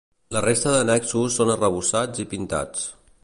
La resta d'annexos són arrebossats i pintats.